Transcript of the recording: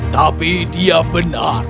tapi dia benar